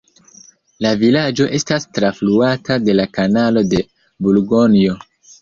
La vilaĝo estas trafluata de la kanalo de Burgonjo.